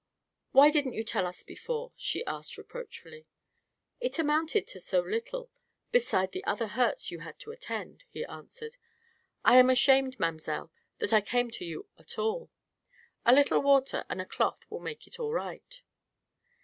"Why didn't you tell us before?" she asked reproachfully. "It amounted to so little, beside the other hurts you had to attend," he answered. "I am shamed, mamselle, that I came to you at all. A little water and a cloth will make it all right."